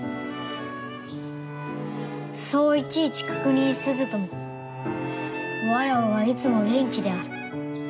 そういちいち確認せずともわらわはいつも元気である。